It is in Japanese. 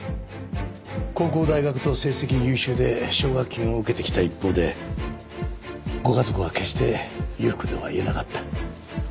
高校大学と成績優秀で奨学金を受けてきた一方でご家族は決して裕福とは言えなかった。